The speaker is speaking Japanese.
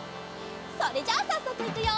それじゃあさっそくいくよ！